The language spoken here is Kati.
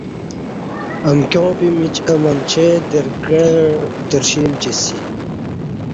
امکیا ں پِیمیچ اہ منچے درگݩع درشی امچِسی